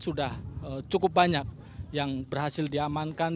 sudah cukup banyak yang berhasil diamankan